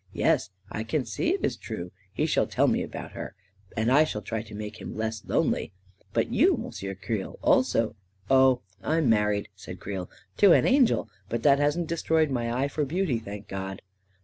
" Yes, I can see it is true I He shall tell me about her — and I shall try to make him less lonely I But you, M'sieu Creel, also ..." "Oh, I'm married," said Creel; "to an angel; but that hasn't destroyed my eye for beauty, thank God!"